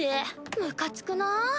ムカつくなぁ。